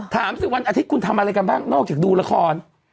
สิวันอาทิตย์คุณทำอะไรกันบ้างนอกจากดูละคร